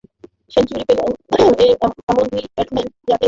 Century পেলেন এমন দুই ব্যাটসম্যান যাঁদের একাদশে জায়গা পাওয়া নিয়েই সংশয় ছিল।